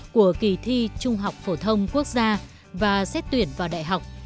của kỳ thi trung học phổ thông quốc gia và xét tuyển vào đại học